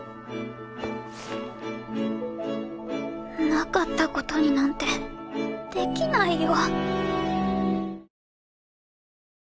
なかった事になんてできないよ！